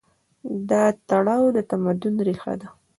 دا تړاو د تمدن ریښه ده.